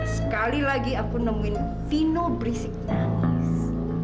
sekali lagi aku nemuin fino berisik nangis